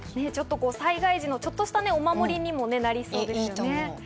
災害時のちょっとしたお守りにもなりそうですね。